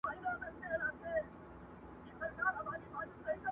چا مي وویل په غوږ کي؛